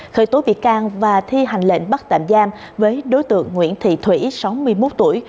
khởi tố bị can và thi hành lệnh bắt tạm giam với đối tượng nguyễn thị thủy sáu mươi một tuổi